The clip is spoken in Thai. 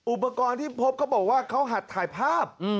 อุปกรณ์ที่พบเขาบอกว่าเขาหัดถ่ายภาพ